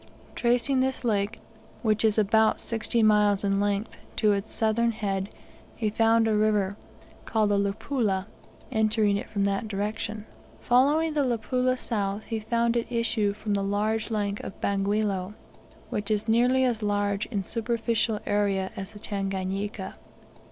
Tracing this lake, which is about sixty miles in length, to its southern head, he found a river, called the Luapula, entering it from that direction. Following the Luapula south, he found it issue from the large lake of Bangweolo, which is nearly as large in superficial area as the Tanganika.